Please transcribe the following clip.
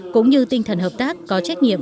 cũng như tinh thần hợp tác có trách nhiệm